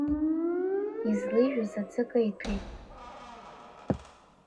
Излеижәыз аӡы кеиҭәет.